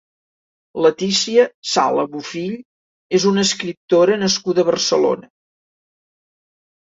Leticia Sala Bufill és una escriptora nascuda a Barcelona.